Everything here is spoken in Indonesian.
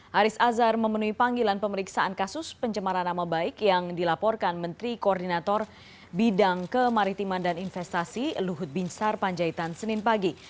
haris azhar memenuhi panggilan pemeriksaan kasus pencemaran nama baik yang dilaporkan menteri koordinator bidang kemaritiman dan investasi luhut binsar panjaitan senin pagi